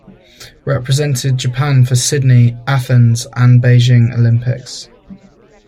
Represented Japan for Sydney, Athens, and Beijing Olympics.